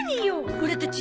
オラたち